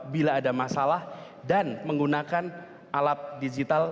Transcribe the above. bila ada masalah dan menggunakan alat digital